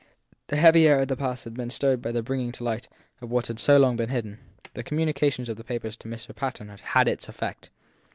The heavy air of the past had been stirred by the bringing to light of what had so long been hidden. The communication of the papers to Mr. Patten had had its effect.